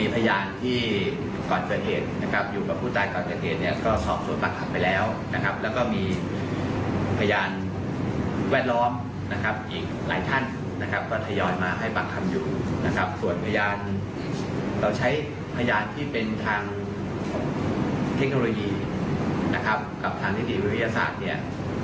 ผมก็คิดว่าขอเวลาทั้งฝ่ายส่วนและชอบสวนเนี่ย